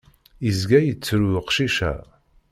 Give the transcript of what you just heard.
Izga yettru uqcic-a.